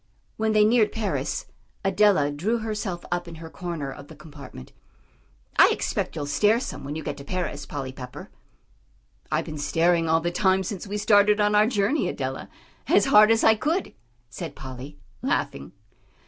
When they neared Paris, Adela drew herself up in her corner of the compartment. "I expect you'll stare some when you get to Paris, Polly Pepper." "I've been staring all the time since we started on our journey, Adela, as hard as I could," said Polly, laughing.